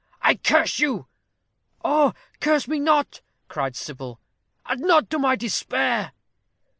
I curse you!" "Oh, curse me not!" cried Sybil. "Add not to my despair."